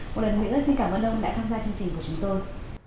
cô đàn nghĩa xin cảm ơn ông đã tham gia chương trình của chúng tôi